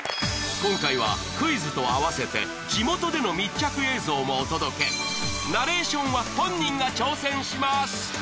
今回はクイズと合わせて地元での密着映像もお届けナレーションは本人が挑戦します